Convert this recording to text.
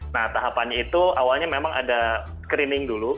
nah tahapannya itu awalnya memang ada screening dulu